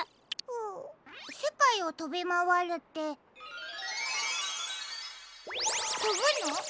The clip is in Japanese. せかいをとびまわるってとぶの？